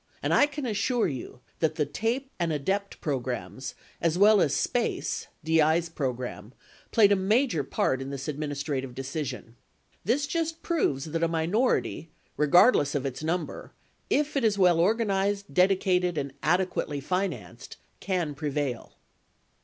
And I can assure you, that the TAPE and ADEPT programs, as well as SPACE (DI's program) played a major part in this administrative decision. This just proves that a minority, regardless of its number, if it is well organized, dedicated, and adequately financed, can prevail.